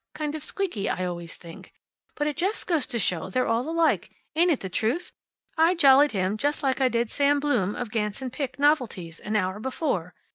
Kind of squeaky, I always think. But it just goes to show they're all alike. Ain't it the truth? I jollied him just like I did Sam Bloom, of Ganz & Pick, Novelties, an hour before.